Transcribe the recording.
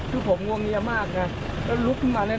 ที่ผมงวงเงียร์มากนะแล้วลุกขึ้นมาเนี่ย